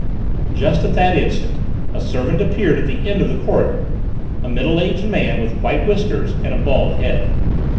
Just at that instant a servant appeared at the end of the corridor, a middle aged man with white whiskers and a bald head.